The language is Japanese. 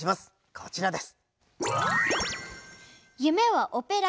こちらです。